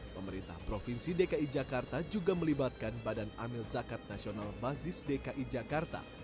pemerintah provinsi dki jakarta juga melibatkan badan amil zakat nasional basis dki jakarta